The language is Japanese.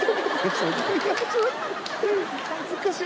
恥ずかしい。